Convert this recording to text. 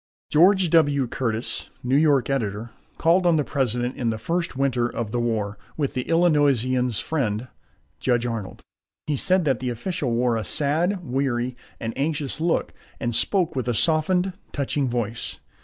George W. Curtis, New York editor, called on the President in the first winter of the war, with the Illinoisian's friend, Judge Arnold. He said that the official wore a sad, weary, and anxious look, and spoke with a softened, touching voice.